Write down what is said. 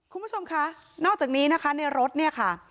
คุณผู้ชมคะนอกจากนี้นะคะในรถเนี่ยค่ะ